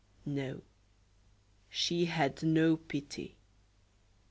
No, she had no pity.